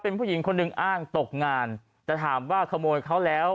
เป็นผู้หญิงคนหนึ่งอ้างตกงานจะถามว่าขโมยเขาแล้ว